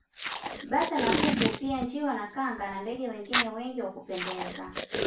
Bata na kuku pia njiwa na kanga na ndege wengine wengi wa kupendeza